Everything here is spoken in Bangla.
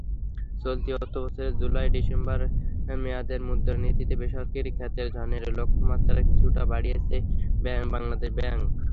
চলতি অর্থবছরের জুলাই-ডিসেম্বর মেয়াদের মুদ্রানীতিতে বেসরকারি খাতের ঋণের লক্ষ্যমাত্রা কিছুটা বাড়িয়েছে বাংলাদেশ ব্যাংক।